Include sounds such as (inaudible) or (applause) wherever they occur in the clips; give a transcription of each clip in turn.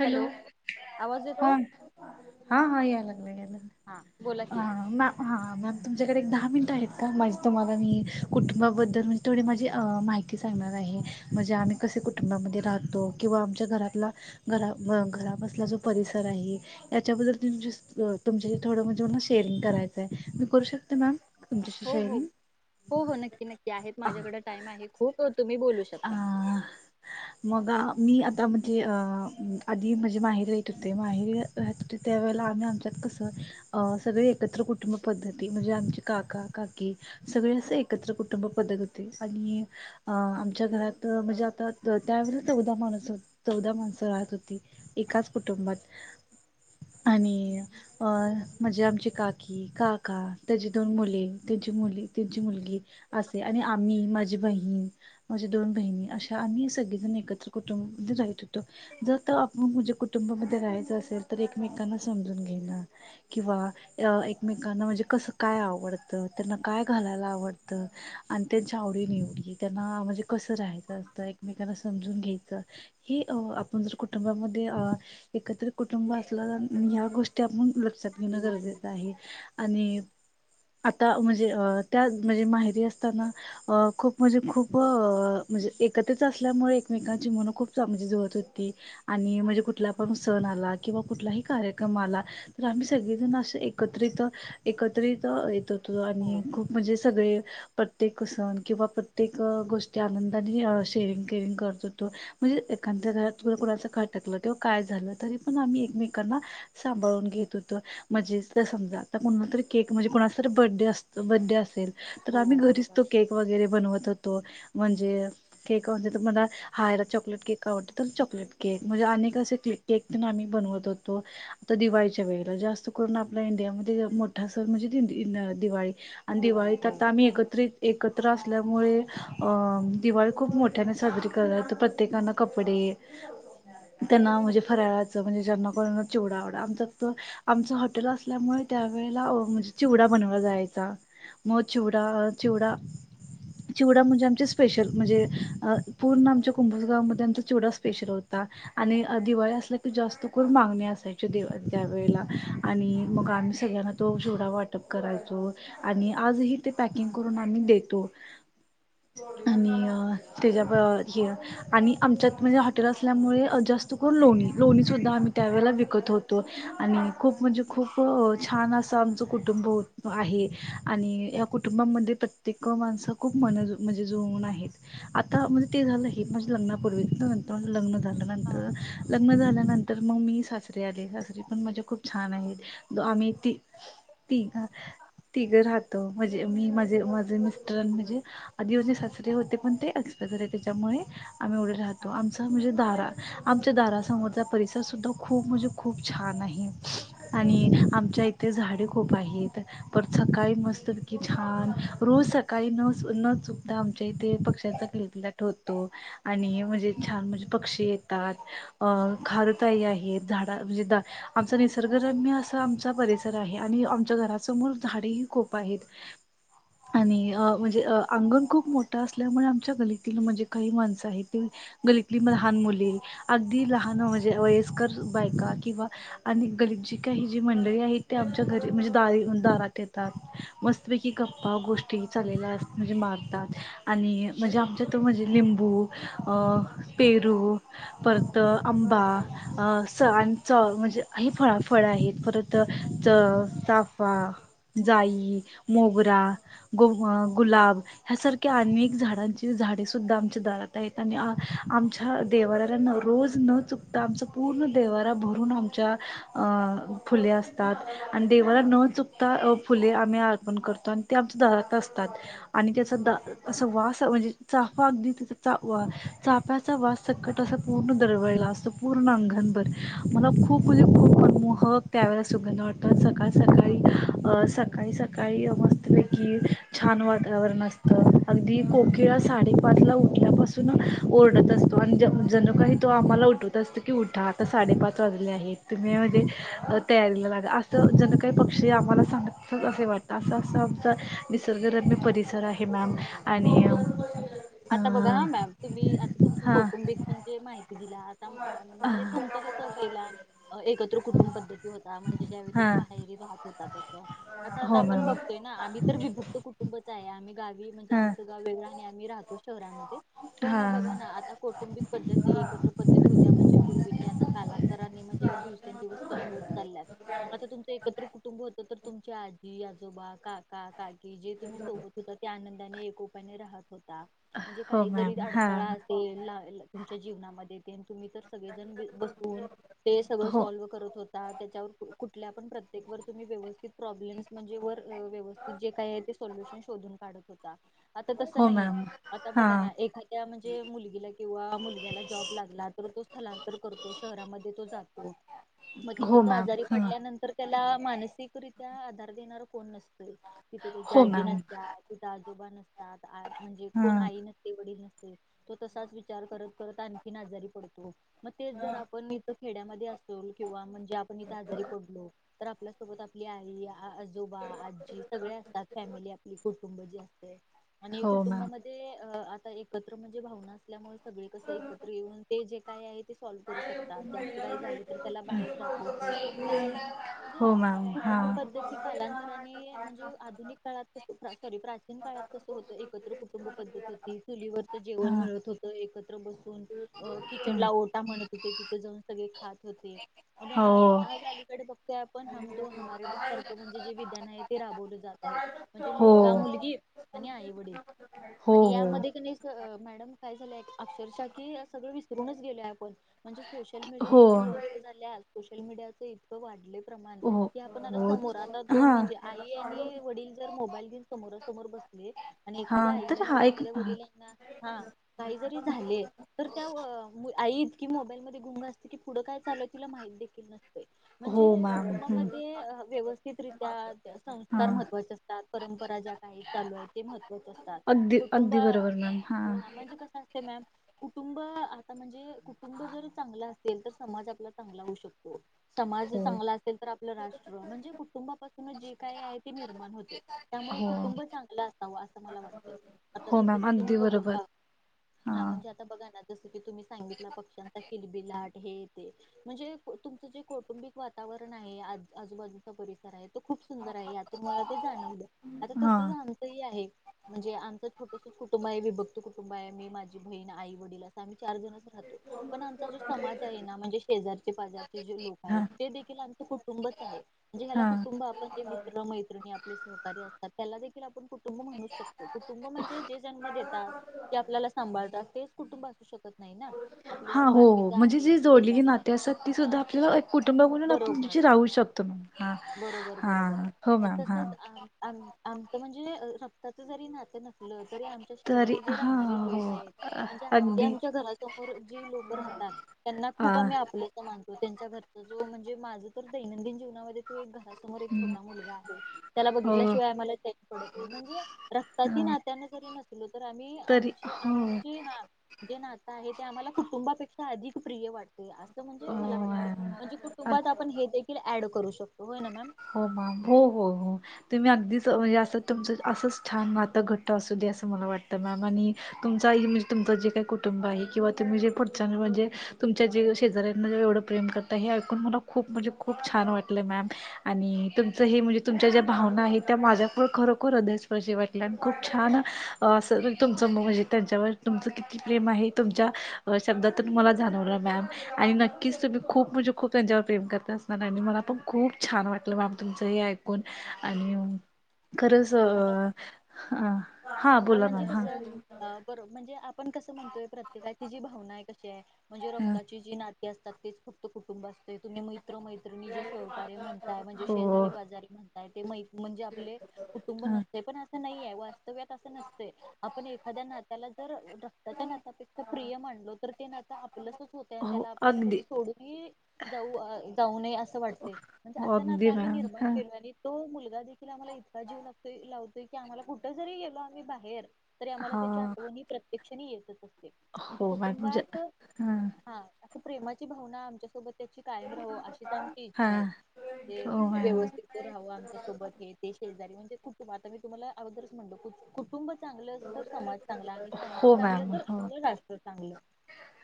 Hello आवाज येतोय हा. हा हा यायलागलाय हा बोला यालागलाय की हा मॅ मॅम तुमच्याकडे एक दहा मिनिट आहेत का? म्हणजे तुम्हाला मी कुटुंबाबद्दल म्हणजे थोडी माझी माहिती सांगणार आहे. म्हणजे आम्ही कस कुटुंबामध्ये राहतो किंवा आमच्या घरातला घरा घरापसला तो परिसर आहे. याच्याबद्दल तुमची तुमच्याशी थोड ना शेअरिंग करायचंय. मी करू शकते मॅम? तुमच्याशी हो हो शेअरिंग? हो हो नक्की नक्की, आहेत माझ्याकडे टाइम आहे खूप तुम्ही बोलू शक आ -मग मी आता जे अ आधी म्हणजे माहेर येत होते. माहेरी राहत होते त्यावेेळेला आम्ही आमच्यात कसं अ- सगळे एकत्र कुटुंब पद्धती म्हणजे आमचे काका, काकी सगळे असं एकत्र कुटुंब पद् वाटत होते आणि आ आच्या घरात म्हणजे आता त्या चौदा माण चौदा माणसं राहत होती. एकाच कुट टुंबात. आणि अ-म्हणजे आमची काकी, काका त्याची दोन मुले मुली तुची मुलगी असे आणि आम्ही माझी बहीण माझ्या दोन बहिणी अशा आम्ही सगळी जण एकत्र कुटुंबामध्ये रहित होतो. जर तवा आपण कुटु कुटुंबा मध्ये रहायचं असेल तर एकमेकांना समजून घेणं, किंवा एकमेकांना म्हणजे कस काय आवडत, त्यांना काय घालायला आवडत आणि त्यांच्या आवडी निवडी म्हणजे त्यांना म्हणजे कसं राहायचं असतं. एकमेकांना समजून घ्यायचं हे आपण जर कुटुंबामध्ये अ एकत्र कुटुंब असलं जर ह्या गोष्टी आपण लक्षात घेणं गरजेचं आहे. आणि आता म्हणजे अ-त्या म्हणजे माहेरी असताना खूप म्हणजे खूप म्हणजे एकत्रित असल्यामुळे एकमेकांची मन खूप चा म्हणजे जुळत होती आणि म्हणजे कुठला पण सण आला किंवा कुठलाही कार्यक्रम आला तर आम्ही सगळेजण असे एकत्रित एकत्रित त येत होतो. आणि खूप म्हणजे सगळे प्रत्येक सण किंवा प्रत्येक गोष्ट गोष्टी आनंदाने शेरिंग केरिंग करत होतो. म्हणजे एखाद्या घरात व्हय कोणांच काय अटकलं तेव्हा काय झालं. तरी पण आम्ही एकमेकांना सांभाळून घेत होतो. म्हणजेस जर समजा, कोणाला तर केक म्हणजे कुणाचा बडे अस बड्डे असेल तर आम्ही हो घरीच बरोबर तो केक वगैरे बनवत होतो. म्हणजे केक म्हणजे तर मला हा याला चॉकलेट केक आवडतो तर चॉकलेट केक. म्हणजे अनेक अस केक तेन आम्ही बनवत होतो. आता दिवाळीच्या वेळेला, जास्त करून आपल्या इंडिया मध्ये मोठा सण म्हणजे दिन- दिवाळी. आणि दिवाळी दिवाळीत हो आता आम्ही एकत्रित एकत्र असल्यामुळे अ-दिवाळी खूप मोठ्याने साजरी करतात. तर प्रत्येकाना कपडे त्यांना म्हणजे फऱळाचं म्हणजे ज्यांना कोणाना चिवडा आवड, आमच आमचं हॉटेल असल्यामुळे त्यावेेळेला म्हणजे चिवडा बनवला जायचा. मग चिवडा चिवडा चिवडा म्हणजे आम्ही स्पेशल म्हणजे पूर्ण आमच्या कुंभोज गावामध्ये आमचा चीवडा स्पेशल होता. आणि दिवाळी वाळी असल्या की जास्त करून मागणी असायची त्यावेेळेला आणि मग आम्ही सगळ्यांना तो ची वाटप करायचो आणि आजही ते पॅकिंग करून आम्ही देतो. आणि- त्याच्या हे आणि आमच्यात म्हणजे हॉटेल असल्यामुळे जास्त करून लोणी. लोणीसुद्धा आम्ही त्यावेेळेला विकत होतो आणि खूप म्हणजे खूप छान असा आमचं कुटुंब होत आहे आणि या कुटुंबामध्ये प्रत्येक माणसं खूप मनज म्हणजे जुळून आहेत. आता म्हणजे ते झालं हे माझ्या लग्नापूर्वीं नंतर माझं लग्न तर हा लग्न झाल्यानंतर तर मग मी सासरे आले. सासरी पण माजे खूप छान आहेत आम्ही ती तिघं तिघं राहतो म्हणजे मी माझे माझे मिस्टर म्हणजे आधी माझे सासरे होते पण ते एक्सपायर झाले. त्याच्यामुळे आम्ही एवढे राहतो हा आमचा म्हणजे दारा आमच्या दारासमोरचा परिसर सुद्धा खूप म्हणजे खूप छान आहे. आणि आमच्या इ ते झाडे खूप आहेत. परत सकाळी मस्तपैकी की छान रोज सकाळी नस न, सुद्धा आमच्या इथे पक्ष्यांचा किलबिलाट होतो आणि म्हणजे छान म्हणजे पक्षी येतात. अ खारुताई आहे. झाड म्हणजे द आमचा निसर्गरम्य असा आमचा परिसर आहे. आणि आमच्या घरा समोर झाडेही खूप आहेत. आणि अ म्हणजे, अंगण खूप मोठं असल्यामुळे, आमच्या गलतील म्हणजे काही माणसं आहेत ते गलतली लहान मुली, अगदी लहान म्हणजे वयस्कर बायका किंवा आणि गरीबजी का हि जी मंडळी आहेत. ते आमच्या घरी म्हणजे दारी दारात येतात मस्तपैकी गप्पा गोष्टी चालेल्या असतात. म्हणजे मारतात आणि म्हणजे आमच्या इथं म्हणजे लिंबू पेरू, परत आंबा स आणि च म्हणजे हि फळ फळं आहेत परत, च चाफा, जाई, मोगरा गु गुलाब ह्यासारख्या अनेक झाडांची झाडेसुद्धा आमच्या दारात आहेत. आणि आ आमच्या दे देवाऱ्याला रोज न चुकता आमचं पूर्ण देवारा भरून आमच्या अ.. फुले असतात. आणि देवाला न चुकता फुले अर्पण करतो आणि ते आमच्या दरात अस तात आणि त्याचा अस वास म्हणजे चाफा अगदी चाफ्याचा वास, संकट अस पूर्ण दरवळला असतो. पूर्ण अंगनभर मला खूप म्हणजे खूप मनमोहक, त्यावेळेला सुगंध वाटत सकाळ हा सकाळी हा अ सकाळी सकाळी मस्तपैकी, छान वातावरण असतं, अगदी कोकिळा साडेपाच ला उठल्यापासून ओरडत असते. तो आणि जणू काही तो आम्हाला उठवत असतो की उठा आता साडेपाच वाजले आहेत तुम्ही म्हणजे, तयारीला लागा असं, जनू काही पक्षी आम्हाला सांगा असे वाटतं असं असं आमच, निसर्गरम्य परिसर आहे मॅम हो हो आणि, आता बघा हा मॅम तुम्ही आता तुमच हां कौटुंबिक म्हणजे माहिती दिला. आता म्हणजे हां तुमचं कसं, पहिला, (unintelligible) होता. म्हणजे ज्या वेळी तुम्ही हां माहेरी राहत होता, तस आ आता हो आपण मॅम बघतोय ना आम्ही तर विभक्त फक्त कुटुंबच आहे. आम्ही गावी म्हणजे हां आमच गाव वेगळं आणि आम्ही राहतो शहरामध्ये, (inaudible) पण बघा ना, आता कौटुंबिक पद्धती एकत्र पद्धती होत्या. म्हणजे पूर्वी ते आता कालांतराने म्हणजे, दिवसेंदिवस कमी होत चाल्यात. आता तुमचं एकत्र कुटुं टुंब होत. तर तुमच्या आजी आजोबा काका काकी जे तुम्ही सोबत होता ते आनं आणि एकोप्याने राहत होता. म्हणजे हो काही जरी मॅम हा अडथळा असेल ला तुमच्या जीवनामध्ये तेन तुम्ही, जर सगळेजण बसवून ते सगळं हो सॉल्व करत हो ता त्याच्यावर कुठल्या पण प्रत्येवर तुम्ही व्यवस्थित प्रॉब्लेम्स म्हणजे वर व्यवस्थित जे काय आहे ते, सॉल्युशन शोधून काढत होता, आता तस हो नाहीये. मॅम आता हा बघा ना एखाद्या म्हणजे मुलगीला किंवा मुलग्याला जॉब लागला, तर तो स्थलांतर कर तो शहरांमध्ये तो जातो. मग तिथं हो तो मॅम आजारी हा पडल्यानंतर त्याला, मानसीक रित्या आधार देणार कोण नसतय, तिथं त्यांची हो आजी मॅम नसत्या तिथं आ जोबा नसतात. म्हणजे हा कोण आई नसते वडील नसते, तो तसाच विचार करत करत आणखीन आजारी पडतो. मग तेच जर आपण इथं खेड्यामध्ये असतो किंवा म्हणजे आपण इथे आजारी पडलो, तर आपल्यासोबत आपली आई, आजोबा, आजी सगळे असतात फॅमिली आपली कु कुटुंब जे असतंय आणि हो मॅम कुटुंबामध्ये अ आता एकत्र म्हणजे भावना असल्यामुळे, सगळे कसे एकत्र येऊन ते जे काय आहेत. ते सॉल्व करू शकता जास्त काही झाले, तर त्याला बाहेर दाखवून ठेऊ शकता. हो म्हणजे, मॅम हा कुटुंब पद्धती कालांतराने, म्हणजे आधुनिक काळात कस सॉरी प्राचीन काळात कस होत एकत्र कु कुुंटुंब पद्धती होती. चुलीवरच हा जेवण मिळत होत. एकत्र बसू अ हा. किचनला ओटा म्हणत होते, तिथं जाऊन सगळे खात होते. आणि हो आज, आज अलीकडे बघतोय आप पण हम दो हमारे दो सारखं म्हणजे, जे विधान आहे ते राबवलं जात आहे. म्हणजे हो मुलगा मुलगी आणि आई वडील. हो आणि हो यामध्ये कणी स.. मॅडम काय झालंय अक्षरशः की सगळं विसरूनच गेलोय आपण. म्हणजे सोशल हो मीडिया इतकी वर्टस झाल्या सोशल मीडियाच इतकं वाढलंय. प्रमाण हो की आपण आता हो समोर आता दोन हा म्हणजे आई आणि वडील जर. मोबाईल घेऊन समोरासमोर बसले आणि. हां तर हा एक. हां काही जरी झाले तर त्या आई इतकी मोबाईल मध्ये इतकी गुंग असते की पुढं काय चा ललाय तिला माहित देखील नसतंय हो म्हणजे मॅम हं, कुटुंबामध्ये व्यवस स्थितरित्या हा संस्कार महत्वाचे असतात, परंपरा ज्या काही चालू आहे ते महत्वाच असत. अगदी अगदी बरोबर मॅम हां. हा म्हणजे कसं असते मॅम कुटुंब आता म्हणजे कुटुंब जर चांगला असेल तर समाज आपला चांगला होऊ शकतो. समाज हो चांगला असेल तर आपलं राष्ट्र म्हणजे कुटुंबापासूनच जे काय आहे ते निर्माण होते त्या मुळं हो कुटुंब चांगलं असावं असं मला वाटतं. आता हो जस मॅम की तुम्ही अगदी बरोबर कुटुंबा हा हां म्हणजे आता बघा ना ज स की तुम्ही सांगितला पक्ष्यांचा किलबिलाट. हे ते म्हणजे तुमचं जे कौटुंबिक वातावरण आहे आजूबाजूचा परिसर आहे. ते खूप सुंदर आहे यातून मला ते जाणवलं आता हा कसं जाणतंही आहे. म्हणजे आमचं छोटसच कुटुंब आहे विभक्त कुटुंब आहे मी माझी बहीण आई वडील असं आम्ही. चार जणच राहतो पण आमचा जो समाज आहे ना म्हणजे शेजारचे पाजारचे जे लोक हा आहेत ते देखील आम्हाला. कुटुंबच आहेे म्हणजे ह्याला हा कुटुंब आपण जे मित्र मैत्रणी आपले सहकार्य असतात त्याला देखील आपण कुटुं टुंब म्हणू शकतो कुटुंब म्हणजे जे जन्म देतात ते आपल्याला सांभाळात तेच कुटुंब असू शकतो. हां, ‌हो, हो म्हणजे जे जोडलेली शेजारी नाते आहेत असतात ती सुद्धा हा आपल्याला एक कुटुंबा बोलून आपण. बरोबर राहू शकतो हां बरोबर हां बरोबर. हो मग मॅम हां. तसंच च जरी नातं नसलं. तरी आमच्या तरी शेजारी जे हा राहणारे हो लोक आहेत अ- म्हणजे अगदी आमच्या घरासमोर जी लोक राहात तात त्यांना हा खूप आम्ही आपलंस मानतो त्यांच्या घरचा जो म्हणजे माझं तर दैनंदिन जीवन नामध्ये तो एक घरासमोर एक हम्म, छोटा मुलगा आहे त्याला हो बघितल्याशिवाय आम्हाला चैन पडत नाही म्हणजे. रक्ताची अ, नात्याने जरी नसलो तर आम्ही तरी आमच्या हो आम जे हा जे नातं आहे ते आम्हाला. कुटुंबापेक्षा अधिक प्रिय वाटते असं म्हणजे हो मला वाटते म्हणजे मॅम. कुटुंबात आपण हे देखील ऍड. करू शकतोय ना मॅ. हो मॅम हो हो हो तुम्ही अगदीच म्हणजे अस तुमच असंच छान नाहात घट्ट अस दे. असं मला वाटतं मॅम आणि तुमचा म्हणजे तुमचं जे काही कुटुंब आहे किंवा तुम्ही जे पुढच्यां म्हणजे. तुमच्या जे शेजऱ्यांनाे एवढं प्रेम करता हे ऐकून मला खूप म्हणजे खूप छान वाटलंय मॅम. आणि तुमचं हे म्हणजे तुमच्या ज्या भावना आहेत त्या माझ्याकढं खरोखर हृदयस्पर्श वाटल्या आणि खूप छान. तुमच म्हणजे त्यांच्यावर तुमच किती प्रेम आहे तुमच्या शब्दातूनला. अनोरा मॅम आणि नक्कीच तुम्ही खूप म्हणजे खूप त्यांच्यावर प्रेम करता असणार आणि मला पण खूप छान वाटतं. आपलं बाब तुमचंही ऐकून आणि खरंच अ आता अ. हा म्हणजे कसं बरो म्हणजे आपण कसं म्हणतोय प्रत्येका ति जी भावना आहे कशी आहे. म्हणजे ह रक्ताची जी नाते असतात तेच फक्त कुटुंब असतात. ते तुम्ही मैत्र मैत्रिणी जे सहकार्य म्हणताय म्हणजे हो शेजारी बाजारी म्हणताय ते मै. म्हणजे आपले कुटुंब ह नसते पण असं नाहीे वास्तव्यात. आपण एखाद्या नात्याला जर रक्ताच्या नातपेक्षा प्रिय मानलो तर ते नातं आपलं. हो त्याला आपल्याला कधी सोडून जाऊ जाऊ नये असं वाटत. म्हणजे हो असं ना आता अगदी आम्ही मॅम निर्माण ह केलो आणि तो मु. देखील आम्हाला इतका जीव लातो लावतो की आम्हाला कुठ जरी गेलो आम्ही बाहेर. तरी आम्हाला हा त्याची आठवणी प्रत्यक्षने येल. म्हणजे हो मॅम ज- कुटुंबात हा प्रेमाची भावना आमच्यासोबत. त्याची कायम राहाव अशीचमची हा इच्छा आहे. ते हो मॅम व्यवस्थित राहावं आमच्यासोबत हे ते शेजारी म्हणजे कुठु आता मी तुम्हाला. अगदरचणू. कुटुंब चांगलं तर समाज चांगला आणि समाज हो चांगलं मॅम तर हो आपलं राष्ट्र चांगलं.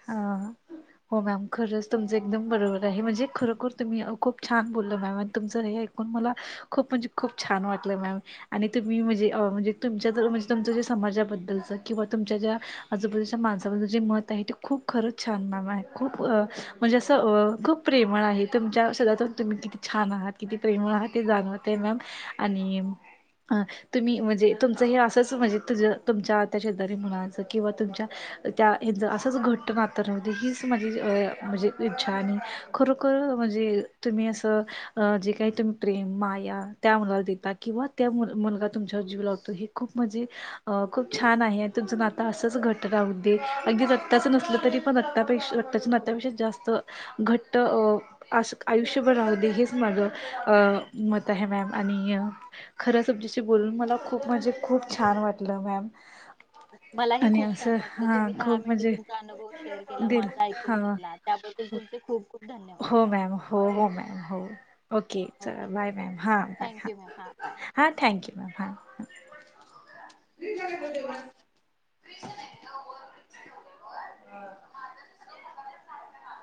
हा. हो मॅम खरंच तुमचं एकदम बरोबर आहे म्हणजे खरोखर तुम्ही खूप छान बोलल मॅम आणि तुमचं हे ऐकून मला खूपच खूप छान वाटलं मम आणि तुम्ही म्हणजे म्हणजे तुमजे तुमच समाजाबद्दलचं किंवा तुमच्या ज्या आजूबाजूच्या माणसाबद्दल जे मत आहे ते खूप खरंच छान माम आहे खूप म्हणजे असं खूप प्रेमळ आहे तुमच्या शदातून तुम्ही कि छान आहात किती प्रेमीळ आहात ते जाणवते मॅम आणि अ तुम्ही म्हणजे तुमचं हे असंच म्हणजे तु तुमच्या त्या शेजारी मुलाच किंवा तुमच्या त्याच असंच घट घट्ट नातं राहू दे हीच माझी म्हणजे इच्छा आणि खरोखर म्हणजे तुम्ही असं जे काही तुम्ही प्रेम माया त्या मु देता किंवा त्या मुलगा तुमच्यावर जीव लावतो. खप म्हणजे खप छान आहे तुमच नातं असच घट राहू दे अगदी रक्ताचं. तरी पणपेक्षताच्या नाट्यापेक्षा जास्त घट्ट आयुष्यभर रा ते हेच माझं मत आहे मॅम आणि खऱ्या सबजीशी बोलून मला खूप म खूप छान वाटलं मॅ मलाही खूप छान वाटलं तुम्ही दहा खूप मिनटे म्हणजे तु अुव शेअर केला दिल माझा हा ऐकून घेतला त्याबद्दल तुमचे खूपप हो मॅम हो हो मॅम हो ओके चला बाय मॅम हा बाय हा थँक्यू मॅम हां बाय हा थँक्यू मॅम ह (inaudible)